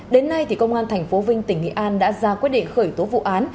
đến nay thì công an tp vinh tỉnh nghị an đã ra quyết định khởi tố vụ án